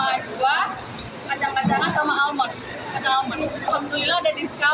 alhamdulillah ada diskon